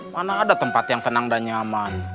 mana ada tempat yang tenang dan nyaman